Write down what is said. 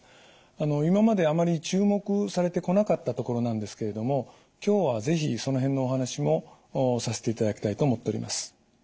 今まであまり注目されてこなかったところなんですけれども今日は是非その辺のお話もさせていただきたいと思っております。